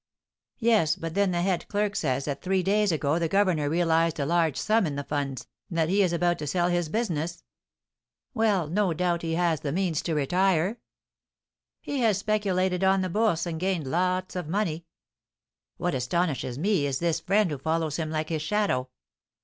"Yes, but then the head clerk says that three days ago the governor realised a large sum in the funds, and that he is about to sell his business." "Well, no doubt he has the means to retire." "He has speculated on the Bourse, and gained lots of money." "What astonishes me is this friend who follows him like his shadow."